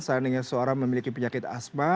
saat dengar seorang memiliki penyakit asma